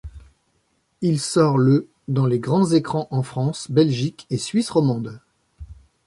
Il sort le dans les grands écrans en France, Belgique et Suisse romande.